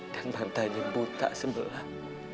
dan mantanya buta sebelah